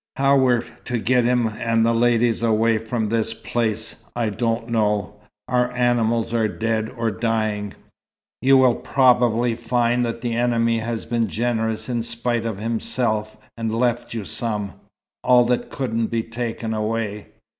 How we're to get him and the ladies away from this place, I don't know. Our animals are dead or dying." "You will probably find that the enemy has been generous in spite of himself and left you some all that couldn't be taken away.